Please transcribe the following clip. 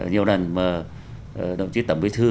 nhiều lần mà đồng chí tẩm bí thư